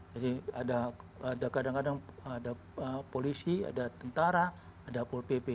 jadi ada kadang kadang ada polisi ada tentara ada pol pp